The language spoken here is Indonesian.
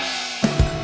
eh bener bener ya